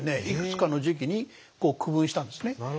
いくつかの時期に区分したんですね。